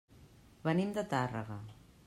Venim de Tàrrega.